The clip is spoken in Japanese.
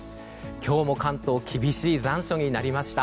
今日も関東厳しい残暑になりました。